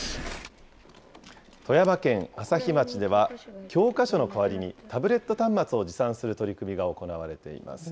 富山県朝日町では、教科書の代わりにタブレット端末を持参する取り組みが行われています。